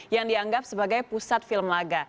yang dianggap sebagai pusat film laga